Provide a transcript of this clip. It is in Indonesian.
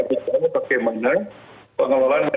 bagaimana pengelolaan manajemen di perusahaan hutan barang